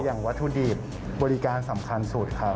อย่างวัตถุดีบบริการสำคัญสุดค่ะ